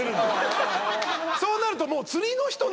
そうなるともう。